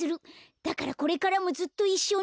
だからこれからもずっといっしょに。